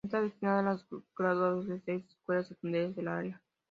Está destinado a los graduados de seis escuelas secundarias de la área.